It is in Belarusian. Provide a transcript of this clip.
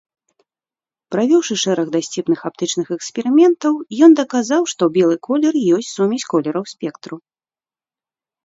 Правёўшы шэраг дасціпных аптычных эксперыментаў, ён даказаў, што белы колер ёсць сумесь колераў спектру.